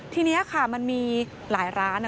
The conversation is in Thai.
ทีนี้ค่ะมันมีหลายร้าน